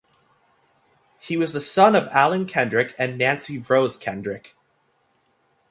He was the son of Allen Kendrick and Nancy (Rose) Kendrick.